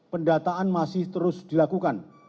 pendataan masih terus dilakukan